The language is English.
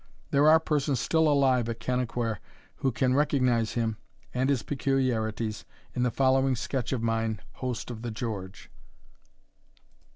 There are persons still alive at Kennaquhair who can recognise him and his peculiarities in the following sketch of mine Host of the George.